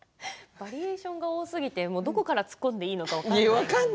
バリエーションが多すぎてどこから突っ込んでいいか分からない。